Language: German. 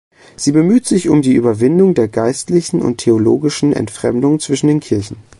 Sie bemüht sich um die Überwindung der geistlichen und theologischen Entfremdung zwischen den Kirchen.